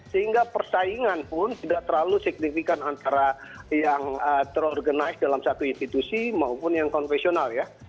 sehingga persaingan pun tidak terlalu signifikan antara yang terorganize dalam satu institusi maupun yang konvensional ya